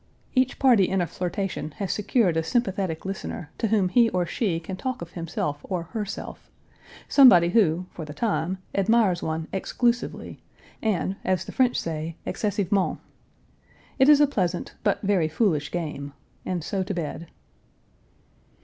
Each party in a flirtation has secured a sympathetic listener, to whom he or she can talk of himself or herself somebody who, for the time, admires one exclusively, and, as the French say, excessivement. It is a pleasant, but very foolish game, and so to bed.